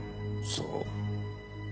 そう。